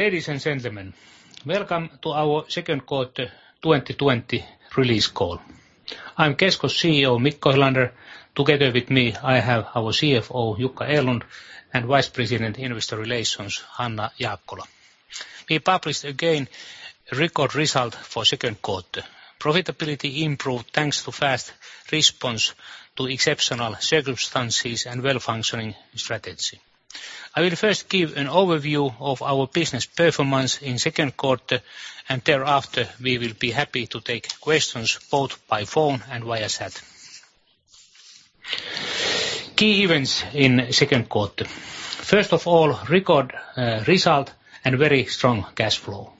Ladies and gentlemen, welcome to our second quarter 2020 release call. I'm Kesko's CEO, Mikko Helander. Together with me, I have our CFO, Jukka Erlund, and Vice President, Investor Relations, Hanna Jaakkola. We published again a record result for second quarter. Profitability improved thanks to fast response to exceptional circumstances and well-functioning strategy. I will first give an overview of our business performance in second quarter, and thereafter, we will be happy to take questions both by phone and via chat. Key events in second quarter. First of all, record result and very strong cash flow.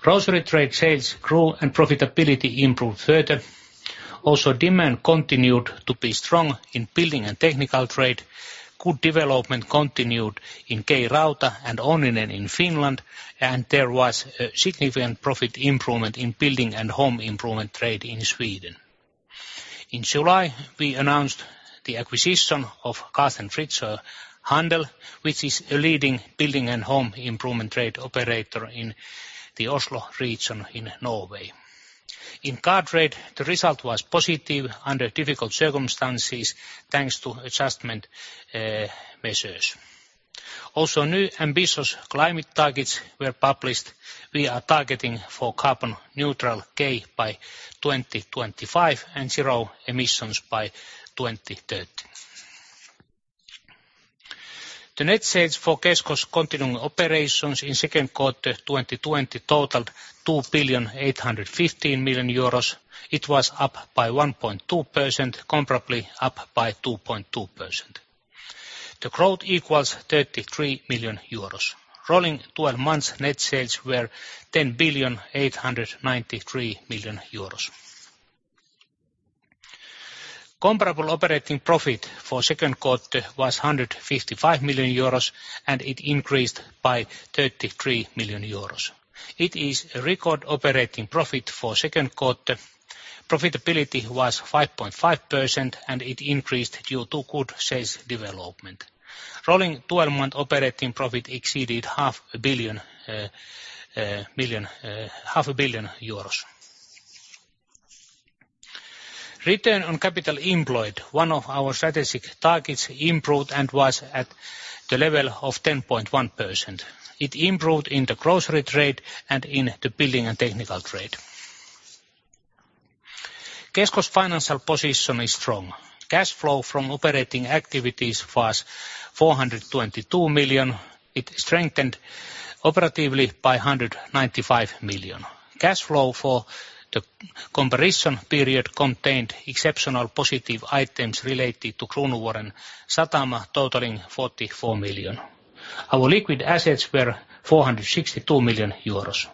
Grocery trade sales grew and profitability improved further. Demand continued to be strong in building and technical trade. Good development continued in K-Rauta and Onninen in Finland, and there was a significant profit improvement in building and home improvement trade in Sweden. In July, we announced the acquisition of Carlsen Fritzøe Handel, which is a leading building and home improvement trade operator in the Oslo region in Norway. In car trade, the result was positive under difficult circumstances thanks to adjustment measures. New ambitious climate targets were published. We are targeting for carbon neutral K by 2025 and zero emissions by 2030. The net sales for Kesko's continuing operations in second quarter 2020 totaled 2.815 billion. It was up by 1.2%, comparably up by 2.2%. The growth equals 33 million euros. Rolling 12-month net sales were 10.893 billion. Comparable operating profit for second quarter was 155 million euros, and it increased by 33 million euros. It is a record operating profit for second quarter. Profitability was 5.5%, and it increased due to good sales development. Rolling 12-month operating profit exceeded EUR 500 million. Return on capital employed, one of our strategic targets, improved and was at the level of 10.1%. It improved in the grocery trade and in the building and technical trade. Kesko's financial position is strong. Cash flow from operating activities was 422 million. It strengthened operatively by 195 million. Cash flow for the comparison period contained exceptional positive items related to Kruunuvuoren Satama totaling 44 million. Our liquid assets were 462 million euros.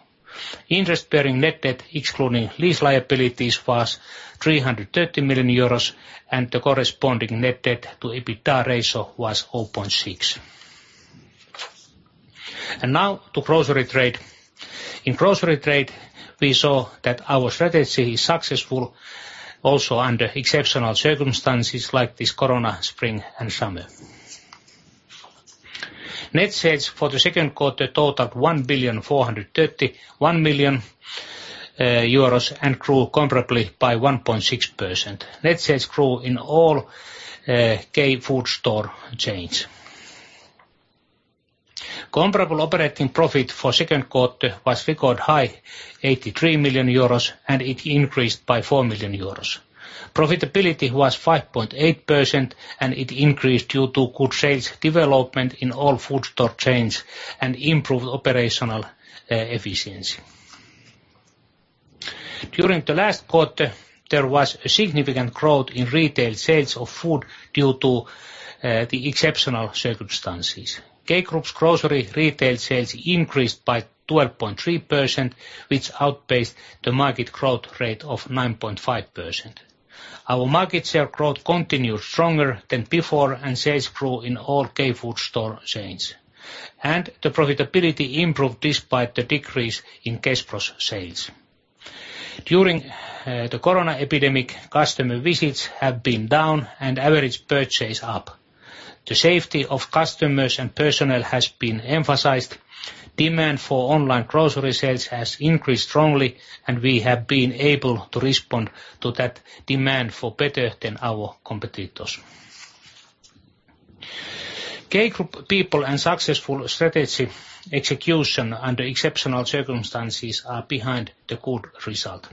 Interest-bearing net debt, excluding lease liabilities, was 330 million euros, and the corresponding net debt-to-EBITDA ratio was 0.6x. Now to grocery trade. In grocery trade, we saw that our strategy is successful also under exceptional circumstances like this corona spring and summer. Net sales for the second quarter totaled 1.431 billion and grew comparably by 1.6%. Net sales grew in all K-food store chains. Comparable operating profit for second quarter was record high, 83 million euros, and it increased by 4 million euros. Profitability was 5.8%, and it increased due to good sales development in all K-food store chains and improved operational efficiency. During the last quarter, there was a significant growth in retail sales of food due to the exceptional circumstances. K Group's grocery retail sales increased by 12.3%, which outpaced the market growth rate of 9.5%. Our market share growth continued stronger than before, and sales grew in all K-food store chains. The profitability improved despite the decrease in Kespro's sales. During the coronavirus epidemic, customer visits have been down and average purchase up. The safety of customers and personnel has been emphasized. Demand for online grocery sales has increased strongly, and we have been able to respond to that demand for better than our competitors. K Group people and successful strategy execution under exceptional circumstances are behind the good result.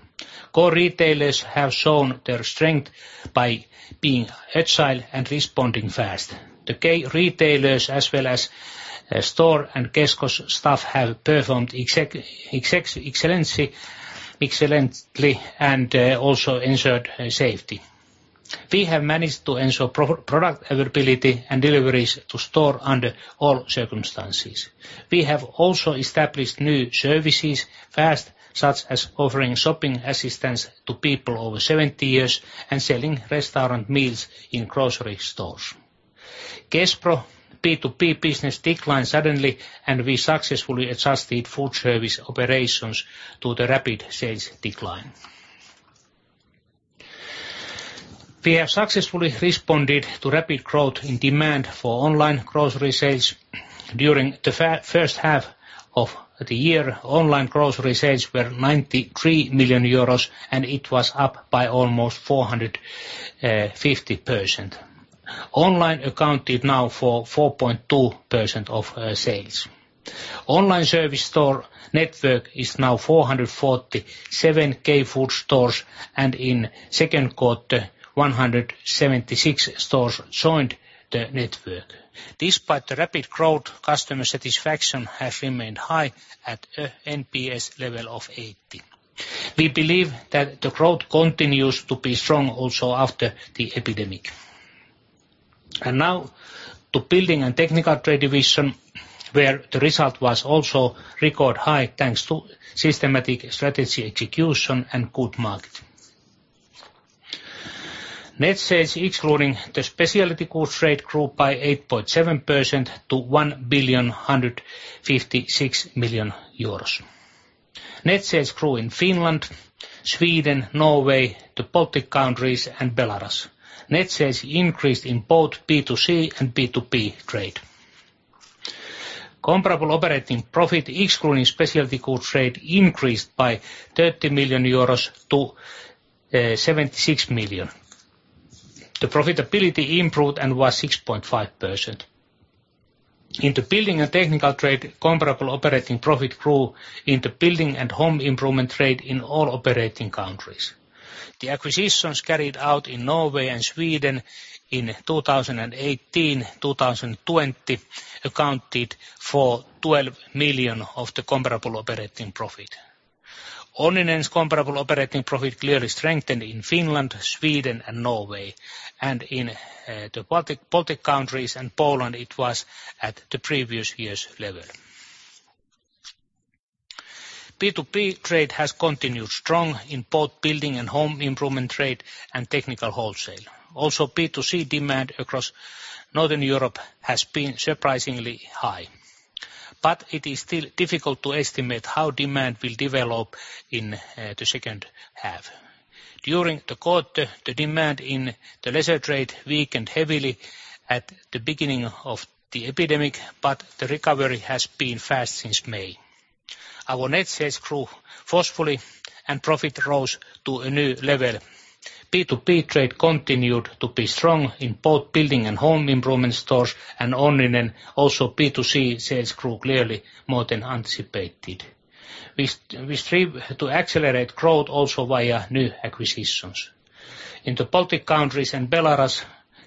Core retailers have shown their strength by being agile and responding fast. The K-retailers as well as store and Kesko staff have performed excellently and also ensured safety. We have managed to ensure product availability and deliveries to store under all circumstances. We have also established new services fast, such as offering shopping assistance to people over 70 years and selling restaurant meals in grocery stores. Kespro B2B business declined suddenly, and we successfully adjusted food service operations to the rapid sales decline. We have successfully responded to rapid growth in demand for online grocery sales. During the first half of the year, online grocery sales were 93 million euros, and it was up by almost 450%. Online accounted now for 4.2% of sales. Online service store network is now 447 K-food stores, and in second quarter, 176 stores joined the network. Despite the rapid growth, customer satisfaction has remained high at a NPS level of 80. We believe that the growth continues to be strong also after the epidemic. Now to building and technical trade division, where the result was also record high, thanks to systematic strategy execution and good market. Net sales, excluding the specialty goods trade, grew by 8.7% to 1.156 billion. Net sales grew in Finland, Sweden, Norway, the Baltic countries and Belarus. Net sales increased in both B2C and B2B trade. Comparable operating profit, excluding specialty goods trade, increased by 30 million euros to 76 million. The profitability improved and was 6.5%. In the building and technical trade, comparable operating profit grew in the building and home improvement trade in all operating countries. The acquisitions carried out in Norway and Sweden in 2018, 2020 accounted for 12 million of the comparable operating profit. Onninen's comparable operating profit clearly strengthened in Finland, Sweden and Norway and in the Baltic countries and Poland it was at the previous year's level. B2B trade has continued strong in both building and home improvement trade and technical wholesale. B2C demand across Northern Europe has been surprisingly high, but it is still difficult to estimate how demand will develop in the second half. During the quarter, the demand in the leisure trade weakened heavily at the beginning of the epidemic, but the recovery has been fast since May. Our net sales grew forcefully and profit rose to a new level. B2B trade continued to be strong in both building and home improvement stores and Onninen also B2C sales grew clearly more than anticipated. We strive to accelerate growth also via new acquisitions. In the Baltic countries and Belarus,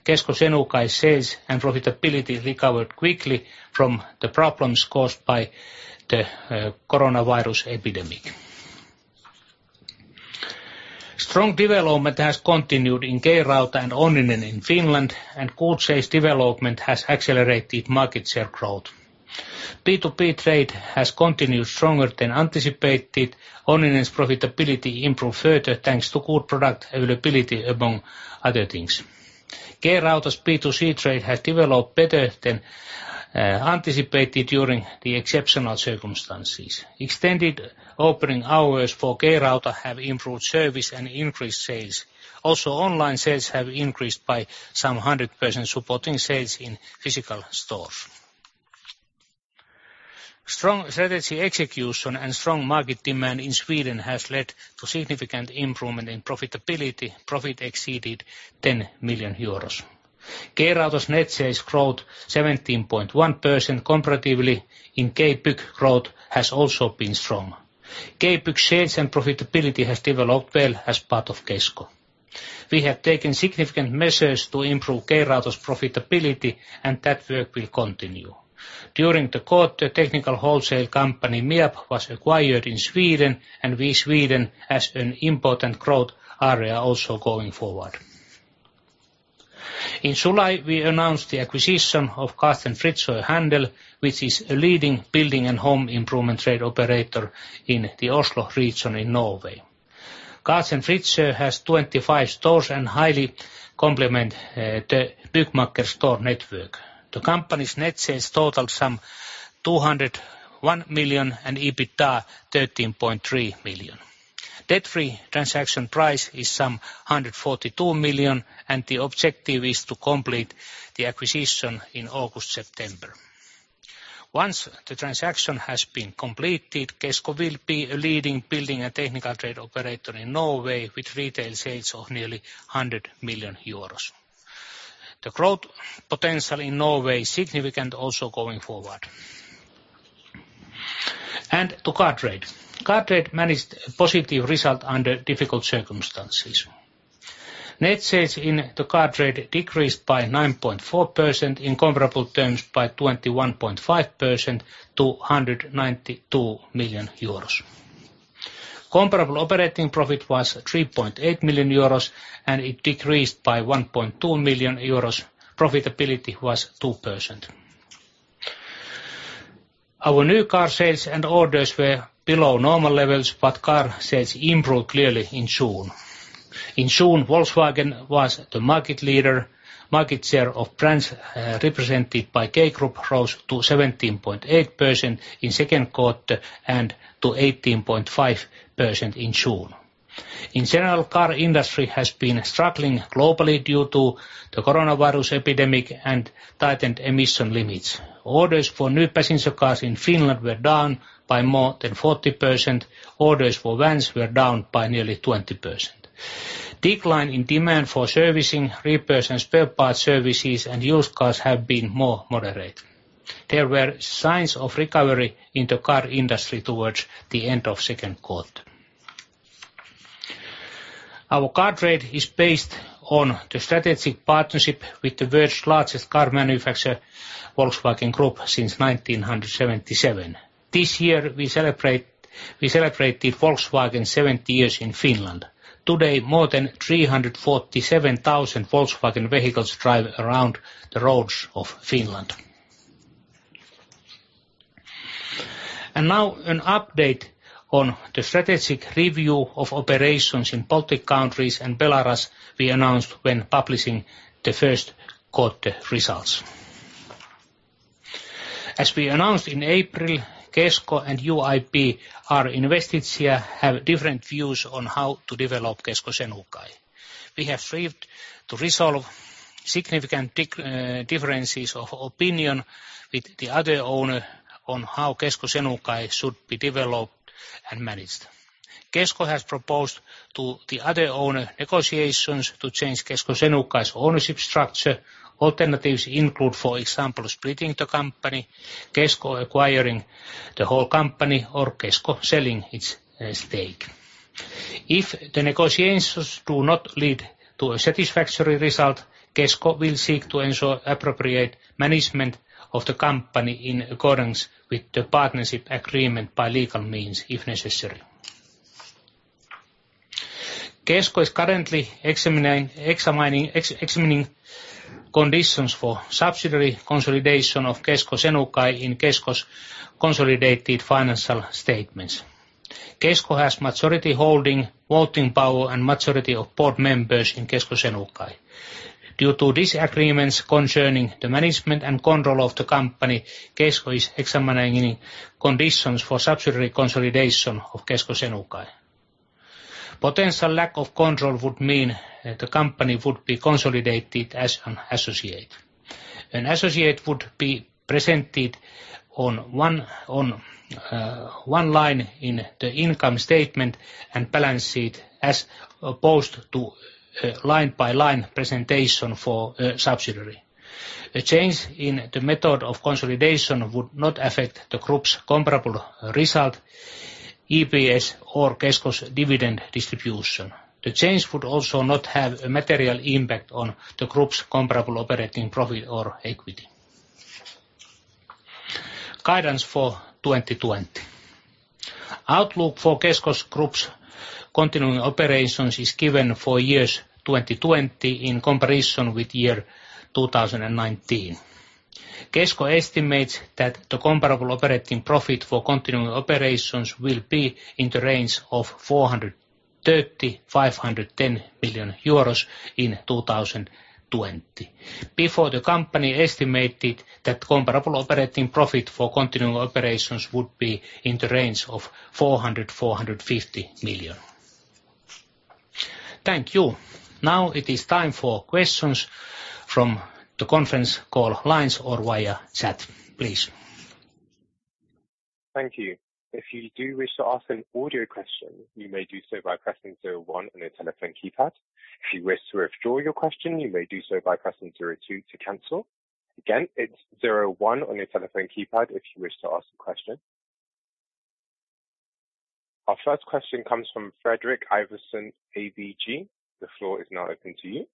Kesko Senukai sales and profitability recovered quickly from the problems caused by the coronavirus epidemic. Strong development has continued in K-Rauta and Onninen in Finland and good sales development has accelerated market share growth. B2B trade has continued stronger than anticipated. Onninen's profitability improved further, thanks to good product availability, among other things. K-Rauta's B2C trade has developed better than anticipated during the exceptional circumstances. Extended opening hours for K-Rauta have improved service and increased sales. Also, online sales have increased by some 100%, supporting sales in physical stores. Strong strategy execution and strong market demand in Sweden has led to significant improvement in profitability. Profit exceeded 10 million euros. K-Rauta's net sales growth 17.1% comparatively in K-Bygg growth has also been strong. K-Bygg sales and profitability has developed well as part of Kesko. We have taken significant measures to improve K-Rauta's profitability and that work will continue. During the quarter, technical wholesale company MIAB was acquired in Sweden and we Sweden as an important growth area also going forward. In July, we announced the acquisition of Carlsen Fritzøe Handel, which is a leading building and home improvement trade operator in the Oslo region in Norway. Carlsen Fritzøe has 25 stores and highly complement the Byggmakker store network. The company's net sales totaled some 201 million and EBITDA 13.3 million. Debt-free transaction price is some 142 million and the objective is to complete the acquisition in August, September. Once the transaction has been completed, Kesko will be a leading building and technical trade operator in Norway, with retail sales of nearly 100 million euros. The growth potential in Norway is significant also going forward. To car trade. Car trade managed a positive result under difficult circumstances. Net sales in the car trade decreased by 9.4%, in comparable terms by 21.5% to 192 million euros. Comparable operating profit was 3.8 million euros. It decreased by 1.2 million euros. Profitability was 2%. Our new car sales and orders were below normal levels. Car sales improved clearly in June. In June, Volkswagen was the market leader. Market share of brands represented by K Group rose to 17.8% in second quarter and to 18.5% in June. In general, car industry has been struggling globally due to the coronavirus epidemic and tightened emission limits. Orders for new passenger cars in Finland were down by more than 40%. Orders for vans were down by nearly 20%. Decline in demand for servicing, repairs and spare parts services and used cars have been more moderate. There were signs of recovery in the car industry towards the end of second quarter. Our car trade is based on the strategic partnership with the world's largest car manufacturer, Volkswagen Group, since 1977. This year, we celebrated Volkswagen 70 years in Finland. Today, more than 347,000 Volkswagen vehicles drive around the roads of Finland. Now an update on the strategic review of operations in Baltic countries and Belarus we announced when publishing the first quarter results. As we announced in April, Kesko and UAB are investors here, have different views on how to develop Kesko Senukai. We have strived to resolve significant differences of opinion with the other owner on how Kesko Senukai should be developed and managed. Kesko has proposed to the other owner negotiations to change Kesko Senukai's ownership structure. Alternatives include, for example, splitting the company, Kesko acquiring the whole company or Kesko selling its stake. If the negotiations do not lead to a satisfactory result, Kesko will seek to ensure appropriate management of the company in accordance with the partnership agreement by legal means, if necessary. Kesko is currently examining conditions for subsidiary consolidation of Kesko Senukai in Kesko's consolidated financial statements. Kesko has majority holding, voting power and majority of board members in Kesko Senukai. Due to disagreements concerning the management and control of the company, Kesko is examining conditions for subsidiary consolidation of Kesko Senukai. Potential lack of control would mean the company would be consolidated as an associate. An associate would be presented on one line in the income statement and balance sheet as opposed to line by line presentation for a subsidiary. A change in the method of consolidation would not affect the group's comparable result, EPS or Kesko's dividend distribution. The change would also not have a material impact on the group's comparable operating profit or equity. Guidance for 2020. Outlook for Kesko's group's continuing operations is given for years 2020 in comparison with year 2019. Kesko estimates that the comparable operating profit for continuing operations will be in the range of 430 million-510 million euros in 2020. Before the company estimated that comparable operating profit for continuing operations would be in the range of 400 million-450 million. Thank you. Now it is time for questions from the conference call lines or via chat, please. Thank you. If you do wish to ask an audio question, you may do so by pressing zero one on your telephone keypad. If you wish to withdraw your question, you may do so by pressing zero two to cancel. Again, it's zero one on your telephone keypad if you wish to ask a question. Our first question comes from Fredrik Ivarsson, ABG. The floor is now open to you.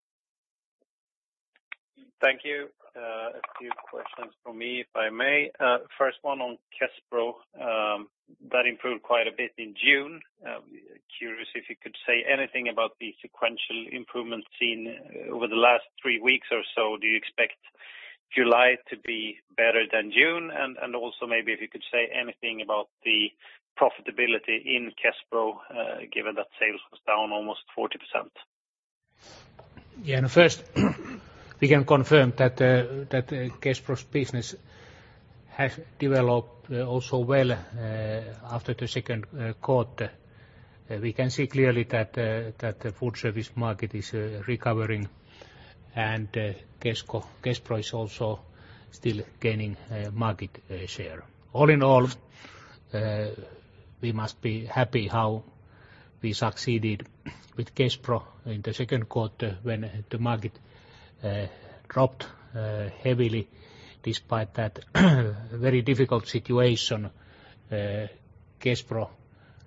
Thank you. A few questions from me, if I may. First one on Kespro. That improved quite a bit in June. Curious if you could say anything about the sequential improvement seen over the last three weeks or so. Do you expect July to be better than June? Also maybe if you could say anything about the profitability in Kespro, given that sales was down almost 40%. Yeah, first we can confirm that Kespro's business has developed also well after the second quarter. We can see clearly that the food service market is recovering and Kespro is also still gaining market share. All in all, we must be happy how we succeeded with Kespro in the second quarter when the market dropped heavily. Despite that very difficult situation, Kespro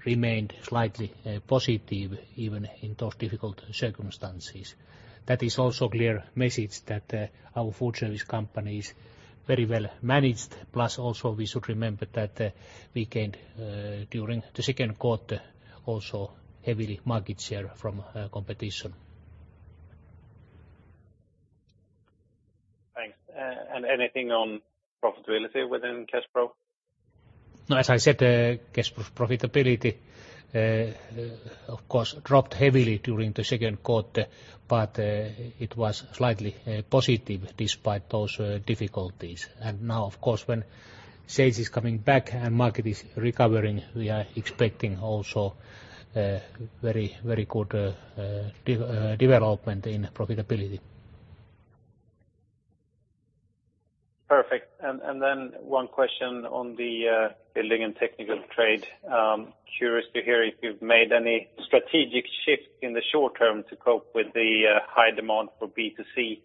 remained slightly positive even in those difficult circumstances. That is also clear message that our food service company is very well managed. Plus also, we should remember that we gained during the second quarter also heavily market share from competition. Thanks. Anything on profitability within Kespro? As I said, Kespro's profitability of course dropped heavily during the second quarter, but it was slightly positive despite those difficulties. Now, of course, when sales is coming back and market is recovering, we are expecting also very good development in profitability. Perfect. One question on the building and technical trade. Curious to hear if you've made any strategic shift in the short term to cope with the high demand for B2C.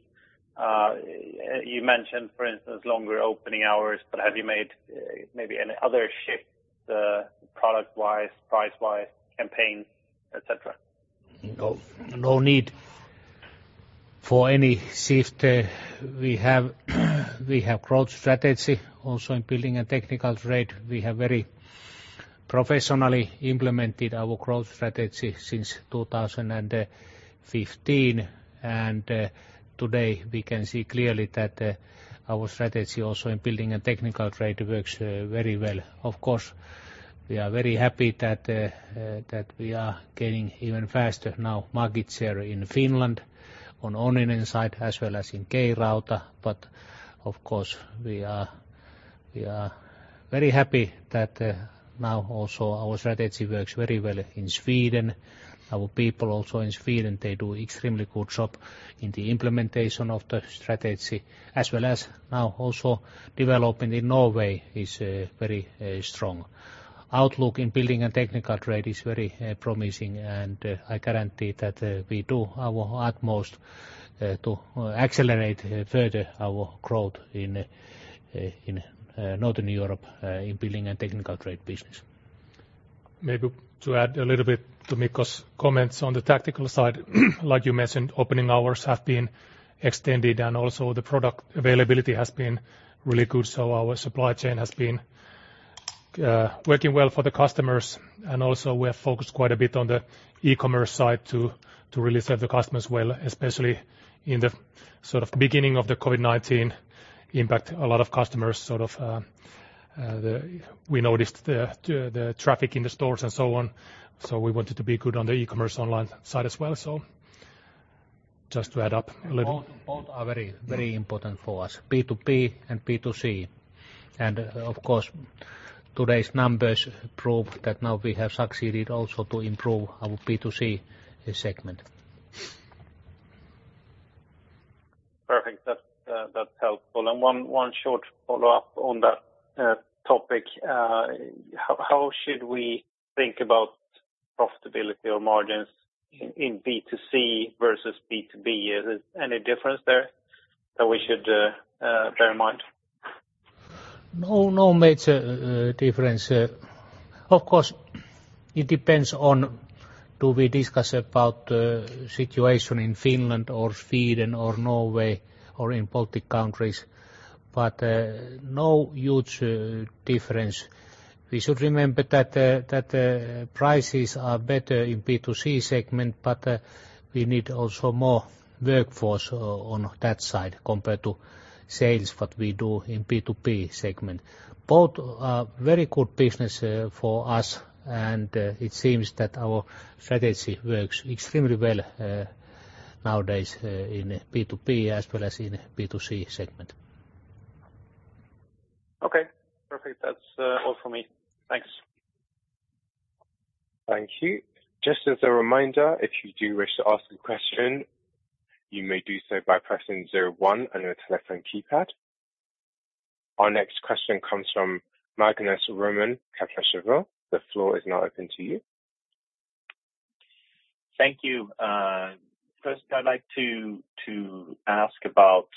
You mentioned, for instance, longer opening hours, but have you made maybe any other shift product-wise, price-wise, campaign, et cetera? No need for any shift. We have growth strategy also in building and technical trade. We have very professionally implemented our growth strategy since 2015. Today we can see clearly that our strategy also in building and technical trade works very well. Of course, we are very happy that we are gaining even faster now market share in Finland on Onninen side as well as in K-Rauta. Of course, we are very happy that now also our strategy works very well in Sweden. Our people also in Sweden, they do extremely good job in the implementation of the strategy as well as now also development in Norway is very strong. Outlook in building and technical trade is very promising and I guarantee that we do our utmost to accelerate further our growth in Northern Europe in building and technical trade business. Maybe to add a little bit to Mikko's comments on the tactical side, like you mentioned, opening hours have been extended and also the product availability has been really good so our supply chain has been working well for the customers and also we have focused quite a bit on the e-commerce side to really serve the customers well, especially in the beginning of the COVID-19 impact. A lot of customers we noticed the traffic in the stores and so on. We wanted to be good on the e-commerce online side as well. Just to add up a little. Both are very important for us, B2B and B2C. Of course, today's numbers prove that now we have succeeded also to improve our B2C segment. Perfect. That's helpful. One short follow-up on that topic. How should we think about profitability or margins in B2C versus B2B? Is there any difference there that we should bear in mind? No major difference. Of course, it depends on do we discuss about situation in Finland or Sweden or Norway or in Baltic countries, but no huge difference. We should remember that prices are better in B2C segment, but we need also more workforce on that side compared to sales that we do in B2B segment. Both are very good business for us and it seems that our strategy works extremely well nowadays in B2B as well as in B2C segment. Okay, perfect. That's all for me. Thanks. Thank you. Just as a reminder, if you do wish to ask a question, you may do so by pressing zero one on your telephone keypad. Our next question comes from Magnus Råman, Kepler Cheuvreux. The floor is now open to you. Thank you. First I'd like to ask about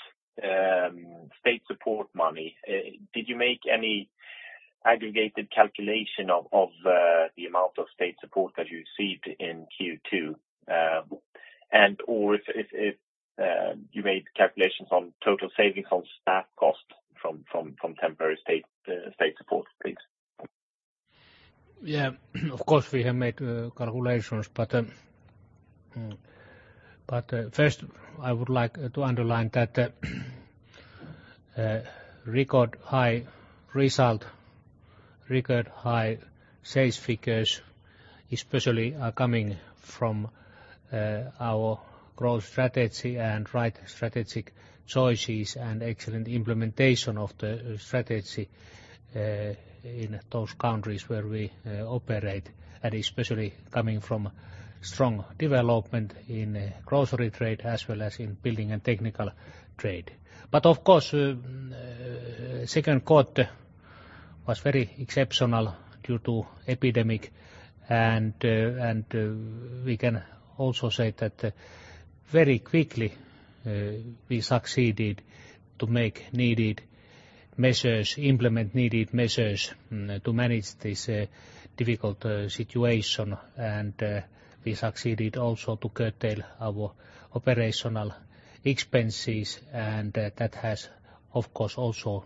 state support money. Did you make any aggregated calculation of the amount of state support that you received in Q2? If you made calculations on total savings on staff cost from temporary state support, please. Of course we have made calculations, first I would like to underline that record high result, record high sales figures especially are coming from our growth strategy and right strategic choices and excellent implementation of the strategy in those countries where we operate, and especially coming from strong development in grocery trade as well as in building and technical trade. Of course, second quarter was very exceptional due to epidemic and we can also say that very quickly we succeeded to make needed measures, implement needed measures to manage this difficult situation and we succeeded also to curtail our operational expenses and that has, of course also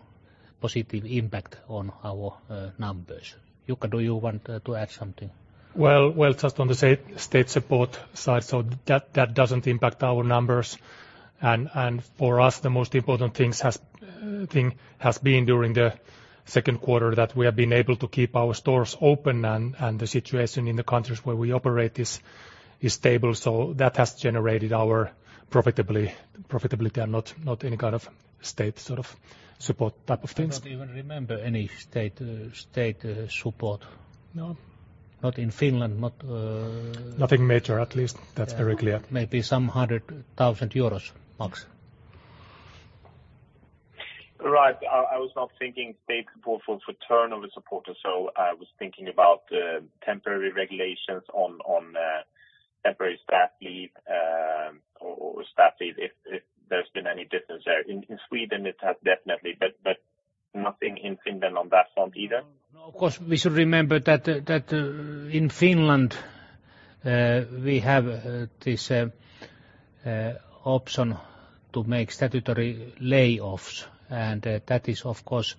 positive impact on our numbers. Jukka, do you want to add something? Well, just on the state support side, that doesn't impact our numbers. For us the most important thing has been during the second quarter that we have been able to keep our stores open and the situation in the countries where we operate is stable that has generated our profitability and not any kind of state sort of support type of things. I don't even remember any state support. No. Not in Finland. Nothing major, at least. That's very clear. Maybe some 100,000 euros max. Right. I was not thinking state support for turnover support. I was thinking about temporary regulations on temporary staff leave or staff leave, if there's been any difference there. In Sweden it has definitely, nothing in Finland on that front either? No, of course, we should remember that in Finland we have this option to make statutory lay-offs and that is, of course,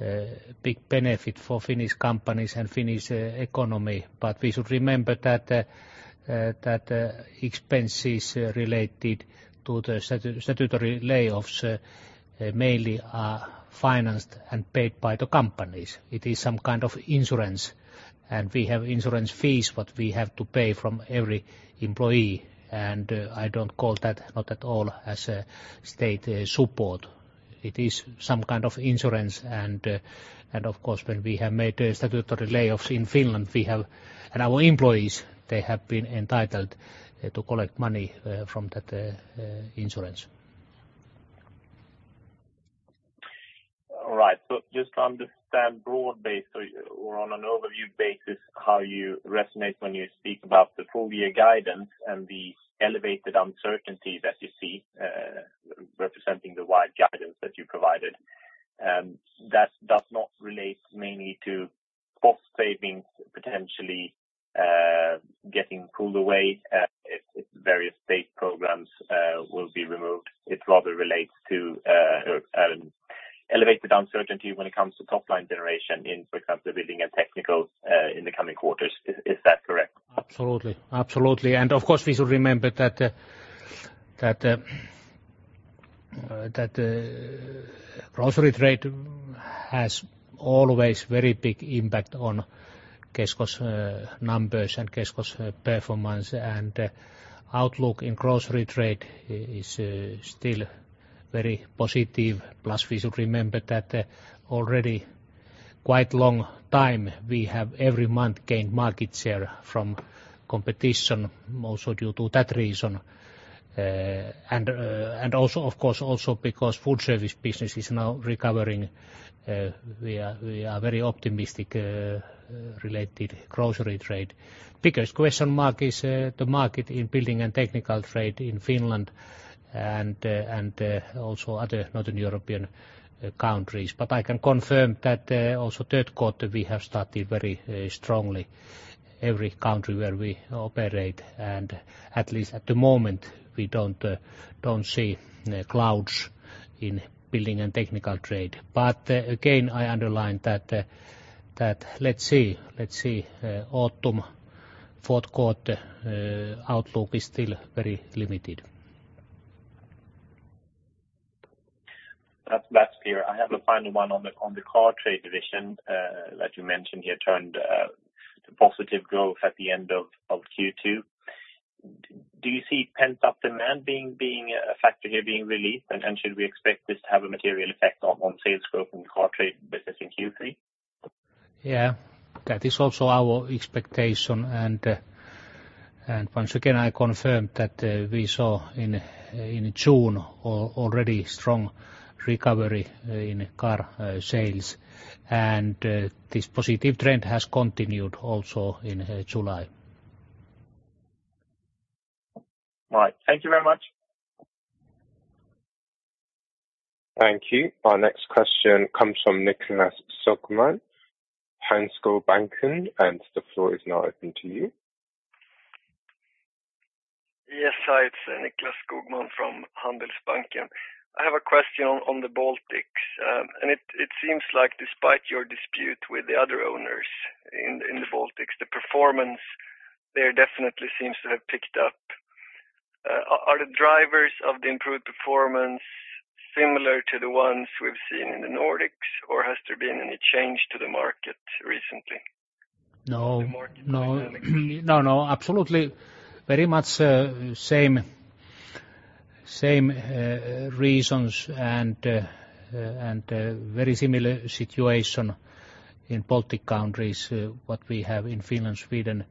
a big benefit for Finnish companies and Finnish economy. We should remember that expenses related to the statutory lay-offs mainly are financed and paid by the companies. It is some kind of insurance, and we have insurance fees what we have to pay from every employee. I don't call that, not at all, as state support. It is some kind of insurance, and of course, when we have made statutory lay-offs in Finland, our employees, they have been entitled to collect money from that insurance. All right. Just to understand broad-based or on an overview basis how you resonate when you speak about the full-year guidance and the elevated uncertainty that you see representing the wide guidance that you provided. That does not relate mainly to cost savings potentially getting pulled away if various state programs will be removed. It rather relates to elevated uncertainty when it comes to top-line generation in, for example, building and technical in the coming quarters. Is that correct? Absolutely. Of course, we should remember that grocery trade has always very big impact on Kesko's numbers and Kesko's performance and outlook in grocery trade is still very positive. We should remember that already quite long time we have every month gained market share from competition also due to that reason. Also, of course, because food service business is now recovering, we are very optimistic related grocery trade. Biggest question mark is the market in building and technical trade in Finland and also other Northern European countries. I can confirm that also third quarter, we have started very strongly, every country where we operate and at least at the moment, we don't see clouds in building and technical trade. Again, I underline that let's see autumn, fourth quarter outlook is still very limited. That's clear. I have a final one on the car trade division that you mentioned here turned positive growth at the end of Q2. Do you see pent-up demand being a factor here being released, and should we expect this to have a material effect on sales growth in the car trade business in Q3? Yeah, that is also our expectation and once again, I confirm that we saw in June already strong recovery in car sales and this positive trend has continued also in July. Right. Thank you very much. Thank you. Our next question comes from Nicklas Skogman, Handelsbanken. The floor is now open to you. Yes, hi, it's Nicklas Skogman from Handelsbanken. I have a question on the Baltics. It seems like despite your dispute with the other owners in the Baltics, the performance there definitely seems to have picked up. Are the drivers of the improved performance similar to the ones we've seen in the Nordics, or has there been any change to the market recently? No, absolutely very much same reasons and very similar situation in Baltic countries, what we have in Finland, Sweden,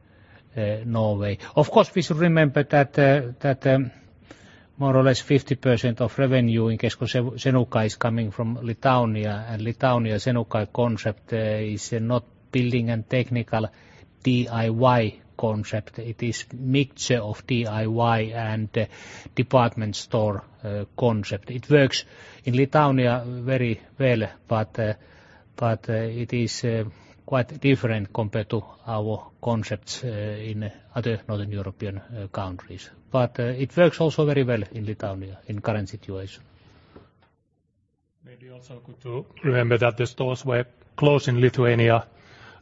Norway. Of course, we should remember that more or less 50% of revenue in Kesko Senukai is coming from Lithuania and Lithuania Senukai concept is not building and technical DIY concept. It is mixture of DIY and department store concept. It works in Lithuania very well, but it is quite different compared to our concepts in other Northern European countries. It works also very well in Lithuania in current situation. Maybe also good to remember that the stores were closed in Lithuania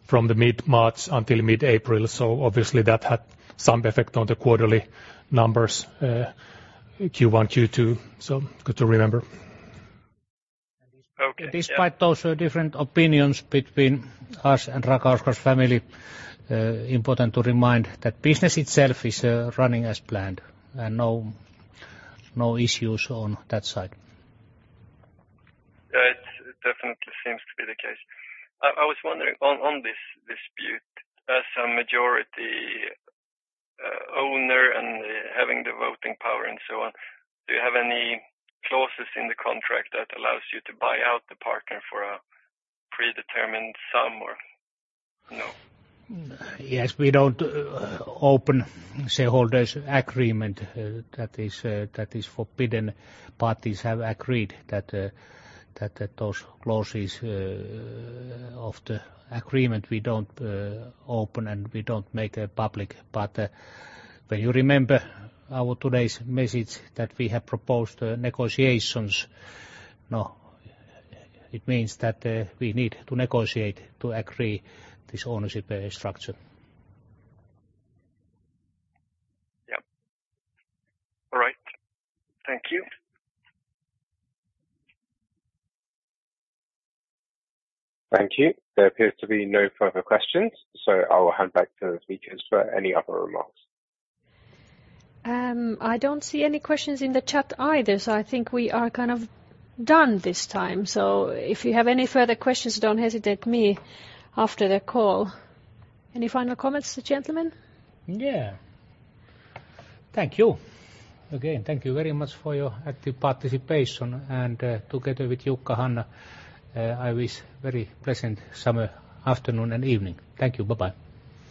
from the mid-March until mid-April. Obviously that had some effect on the quarterly numbers Q1, Q2. Good to remember. Okay. Despite those different opinions between us and Rakauskas family, important to remind that business itself is running as planned and no issues on that side. It definitely seems to be the case. I was wondering on this dispute, as a majority owner and having the voting power and so on, do you have any clauses in the contract that allows you to buy out the partner for a predetermined sum or no? Yes, we don't open shareholders agreement. That is forbidden. Parties have agreed that those clauses of the agreement we don't open, and we don't make public. When you remember our today's message that we have proposed negotiations. No, it means that we need to negotiate to agree this ownership structure. Yep. All right. Thank you. Thank you. There appears to be no further questions, so I will hand back to the speakers for any other remarks. I don't see any questions in the chat either, so I think we are kind of done this time. If you have any further questions, don't hesitate me after the call. Any final comments, gentlemen? Yeah. Thank you. Again, thank you very much for your active participation and together with Jukka, Hanna I wish very pleasant summer afternoon and evening. Thank you. Bye-bye.